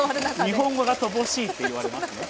日本語が乏しいっていわれますね。